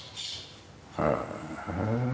へえ。